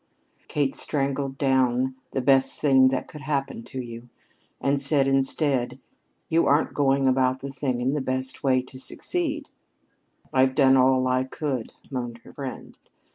Kate strangled down, "The best thing that could happen to you"; and said instead, "You aren't going about the thing in the best way to succeed." "I've done all I could," moaned her friend.